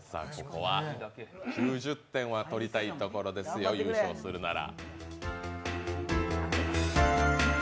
９０点は取りたいところですよ、優勝するなら。